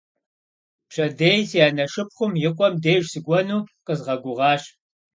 Пщэдей си анэ шыпхъум и къуэм деж сыкӀуэну къэзгъэгугъащ.